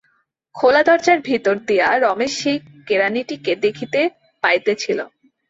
খোলা দরজার ভিতর দিয়া রমেশ সেই কেরানিটিকে দেখিতে পাইতেছিল।